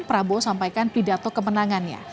prabowo sampaikan pidato kemenangannya